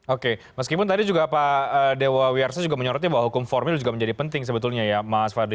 oke meskipun tadi juga pak dewa wiyarsa juga menyorotnya bahwa hukum formil juga menjadi penting sebetulnya ya mas fadli